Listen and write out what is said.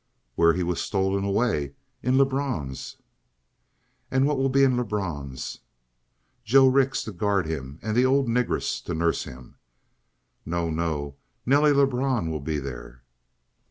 "Where he was stolen away. In Lebrun's." "And what will be in Lebrun's?" "Joe Rix to guard him and the old negress to nurse him."' "No, no! Nelly Lebrun will be there!"